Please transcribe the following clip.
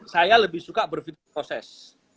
saya lebih suka berpikir proses